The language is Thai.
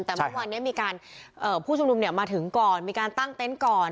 แต่เมื่อวานนี้มีการผู้ชุมนุมมาถึงก่อนมีการตั้งเต็นต์ก่อน